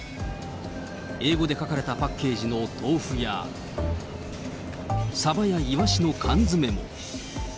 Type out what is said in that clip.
英語で書かれたパッケージの豆腐や、サバやイワシの缶詰も。